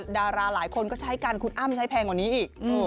ดาราหลายคนก็ใช้กันคุณอ้ำใช้แพงกว่านี้อีก